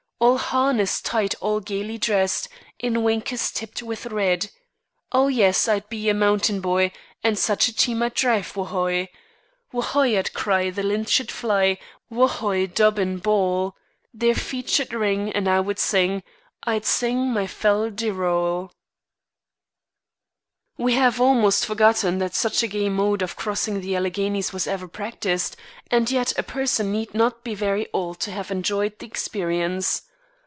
All harnessed tight, and gaily dressed In winkers tipped with red. Oh, yes! I'd be a mountain boy, And such a team I'd drive wo hoy! Wo hoy! I'd cry; The lint should fly. Wo hoy! Dobbin, Ball. Their feet should ring, And I would sing, I'd sing my fal de roll." We have almost forgotten that such a gay mode of crossing the Alleghanies was ever practiced; and yet a person need not be very old to have enjoyed the experience.